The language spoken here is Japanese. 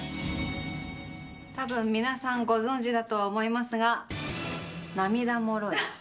たぶん皆さんご存じだとは思いますが、涙もろい。